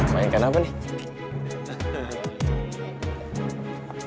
mainkan apa nih